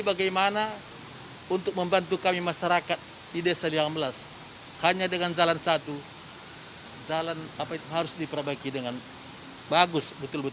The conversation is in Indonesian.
pertama jalan harus diperbaiki dengan bagus